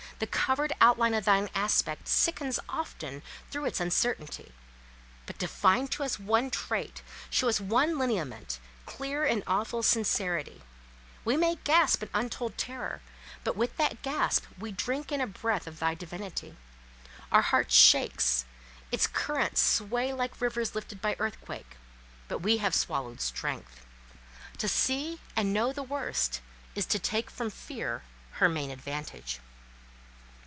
the covered outline of thine aspect sickens often through its uncertainty, but define to us one trait, show us one lineament, clear in awful sincerity; we may gasp in untold terror, but with that gasp we drink in a breath of thy divinity; our heart shakes, and its currents sway like rivers lifted by earthquake, but we have swallowed strength. To see and know the worst is to take from Fear her main advantage.